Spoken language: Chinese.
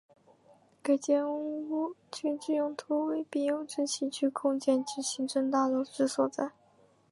该建物群之用途为病友之起居空间及行政大楼之所在。